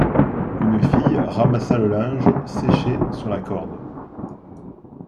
Une fille ramassa le linge séché sur la corde.